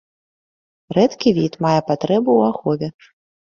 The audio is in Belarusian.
Рэдкі від, мае патрэбу ў ахове.